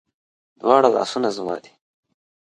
دواړه لاسونه زما دي